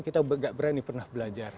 kita gak berani pernah belajar